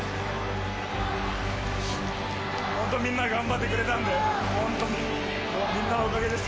本当みんなが頑張ってくれたんで、本当にもうみんなのおかげです。